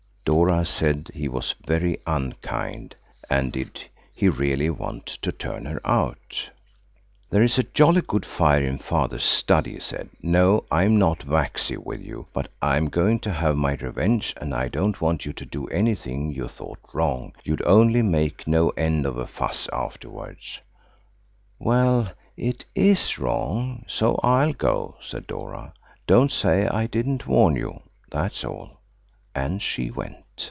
Dora said he was very unkind, and did he really want to turn her out? "There's a jolly good fire in Father's study," he said." No, I'm not waxy with you, but I'm going to have my revenge and I don't want you to do anything you thought wrong. You'd only make no end of a fuss afterwards." "Well, it is wrong, so I'll go," said Dora. "Don't say I didn't warn you, that's all!" And she went.